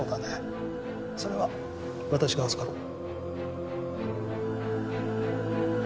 それは私が預かろう。